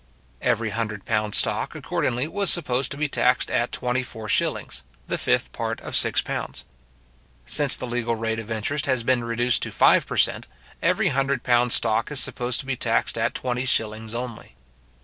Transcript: Every hundred pounds stock, accordingly, was supposed to be taxed at twenty four shillings, the fifth part of six pounds. Since the legal rate of interest has been reduced to five per cent. every hundred pounds stock is supposed to be taxed at twenty shillings only.